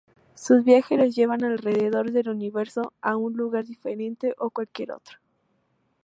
Sus viajes los llevan alrededor del universo a un lugar diferente a cualquier otro.